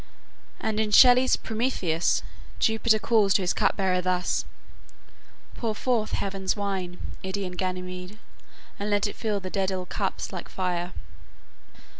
And in Shelley's "Prometheus" Jupiter calls to his cup bearer thus: "Pour forth heaven's wine, Idaean Ganymede, And let it fill the Daedal cups like fire."